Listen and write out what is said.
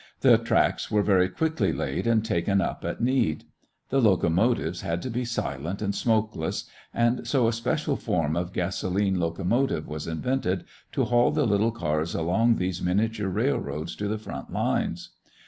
The tracks were very quickly laid and taken up at need. The locomotives had to be silent and smokeless and so a special form of gasolene locomotive was invented to haul the little cars along these miniature railroads to the front lines.